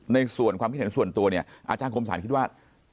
ในความคิดเห็นส่วนตัวอาจารย์คมศาลคิดว่า